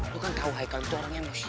lo kan tahu haikal itu orang emosional